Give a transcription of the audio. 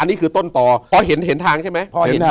านี่คือต้นต่อเพราะเห็นทางใช่ไหม